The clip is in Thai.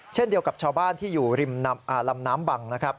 เช่นเดียวกับชาวบ้านที่อยู่ริมลำน้ำบังนะครับ